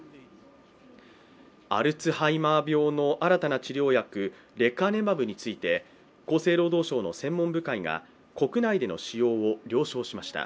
アルツハイマー病の新たな治療薬レカネマブについて厚生労働省の専門部会が国内での使用を了承しました。